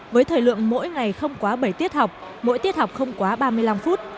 với thời lượng mỗi ngày không quá bảy tiết học mỗi tiết học không quá ba mươi năm phút